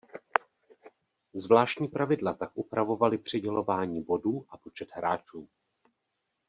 Zvláštní pravidla tak upravovaly přidělování bodů a počet hráčů.